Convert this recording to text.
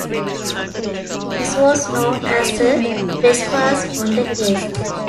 This was known as a trespass on the case.